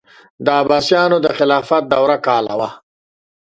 د عباسیانو د خلافت دوره کاله وه.